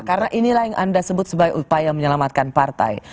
karena inilah yang anda sebut sebagai upaya menyelamatkan partai